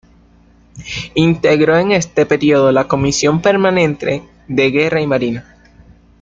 Integró en este período la comisión permanente de Guerra y Marina.